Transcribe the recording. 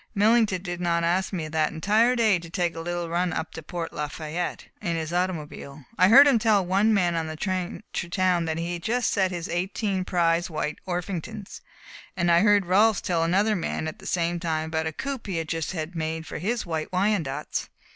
Millington did not ask me, that entire day, to take a little run up to Port Lafayette in his automobile. I heard him tell one man on the train to town that he had just set his eighteen prize White Orpingtons, and I heard Rolfs tell another man, at the same time, about a coop he had just had made for his White Wyandottes.